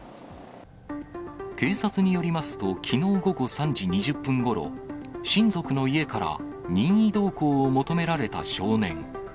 警察によりますと、きのう午後３時２０分ごろ、親族の家から任意同行を求められた少年。